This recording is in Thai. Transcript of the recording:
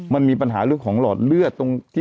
มันมีปัญหาของหลอดเลือด